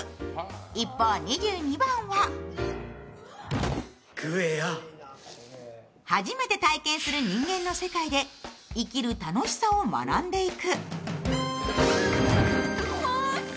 一方、２２番は初めて体験する人間の世界で生きる楽しさを学んでいく。